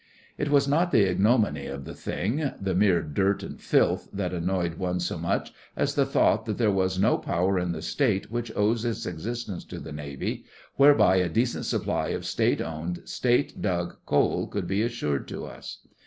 It was not the ignominy of the thing—the mere dirt and filth—that annoyed one so much as the thought that there was no power in the State which owes its existence to the Navy whereby a decent supply of State owned, State dug coal could be assured to us.